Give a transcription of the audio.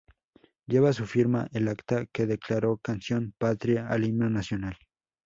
Lleva su firma el acta que declaró canción patria al Himno Nacional.